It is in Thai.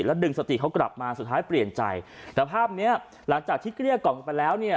ดึงสติเขากลับมาสุดท้ายเปลี่ยนใจแต่ภาพเนี้ยหลังจากที่เกลี้ยกล่อมไปแล้วเนี่ย